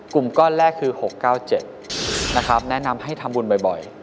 กลุ่มก้อนแรกคือ๖๙๗นะครับแนะนำให้ทำบุญบ่อย